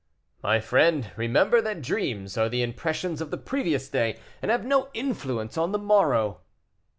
"My friend, remember that dreams are the impressions of the previous day, and have no influence on the morrow."